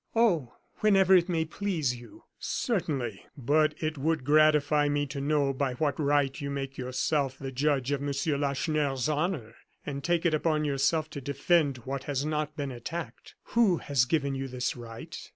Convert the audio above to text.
"Oh! whenever it may please you!" "Certainly; but it would gratify me to know by what right you make yourself the judge of Monsieur Lacheneur's honor, and take it upon yourself to defend what has not been attacked. Who has given you this right?"